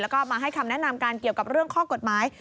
แล้วก็มาให้คำแนะนำการเกี่ยวกับเรื่องข้อกฎหมาย